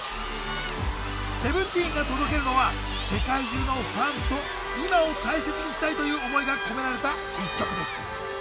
ＳＥＶＥＮＴＥＥＮが届けるのは世界中のファンと「今」を大切にしたいという思いが込められた１曲です。